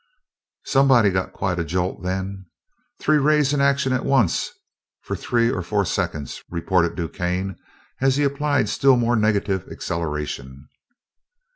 "Somebody got quite a jolt then. Three rays in action at once for three or four seconds," reported DuQuesne, as he applied still more negative acceleration.